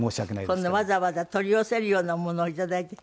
こんなわざわざ取り寄せるようなものをいただいて。